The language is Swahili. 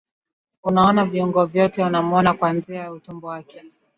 unaona viungo vyote unamwona kuanzia utumbo wake